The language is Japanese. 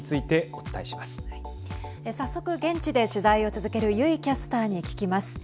早速、現地で取材を続ける油井キャスターに聞きます。